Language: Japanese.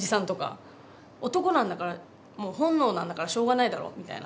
「男なんだからもう本能なんだからしょうがないだろ」みたいな。